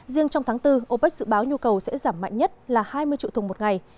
riêng trong tháng bốn opec dự báo nhu cầu sẽ giảm mạnh nhất là hai mươi triệu thùng một ngày